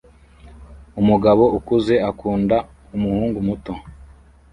Umugabo ukuze akunda umuhungu muto